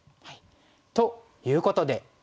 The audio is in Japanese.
ということで。